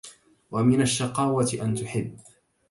ومن الشقاوة أن تحب